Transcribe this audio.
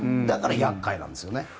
だから厄介なんですよね。